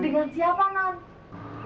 dengan siapa non